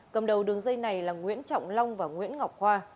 cầm đầu đường dây này là nguyễn trọng long và nguyễn ngọc khoa